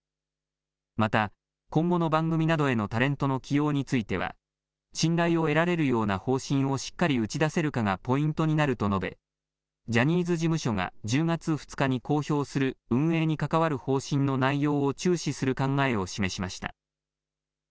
また、今後の番組などへのタレントの起用については信頼を得られるような方針をしっかり打ち出せるかがポイントになると述べジャニーズ事務所が１０月２日に公表する運営に関わる方針の内容を注視する考えを示しました。